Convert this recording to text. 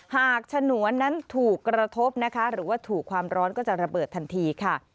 หากฉนวนนั้นถูกกระทบหรือถูกความร้อนก็จะระเบิดทันที